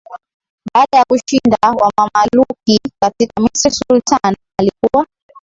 Baada ya kushinda Wamamaluki katika Misri sultani alikuwa